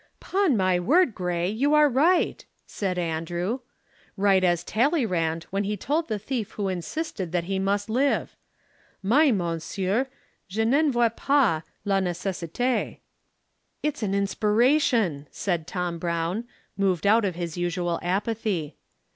"'Pon my word, Grey, you are right," said Andrew. "Right as Talleyrand when he told the thief who insisted that he must live: Mais, monsieur, je n'en vois pas la nécessité." "It's an inspiration!" said Tom Brown, moved out of his usual apathy.